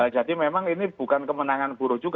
jadi memang ini bukan kemenangan buruh juga